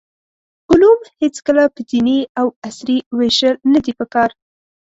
علوم هېڅکله په دیني او عصري ویشل ندي پکار.